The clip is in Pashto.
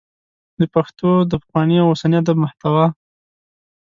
د پښتو د پخواني او اوسني ادب محتوا